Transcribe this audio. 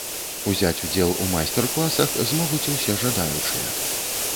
Узяць удзел у майстар-класах змогуць усе жадаючыя.